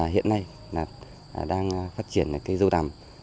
hiện nay là đang phát triển cây dâu tăm